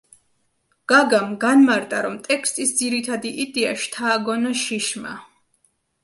გაგამ განმარტა რომ ტექსტის ძირითადი იდეა შთააგონა შიშმა.